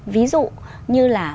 ví dụ như là